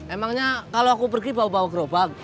emangnya kalau aku pergi bawa gerobak